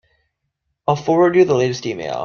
I'll forward you the latest email.